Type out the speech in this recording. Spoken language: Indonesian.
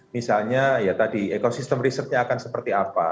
misalnya ya tadi ekosistem risetnya akan seperti apa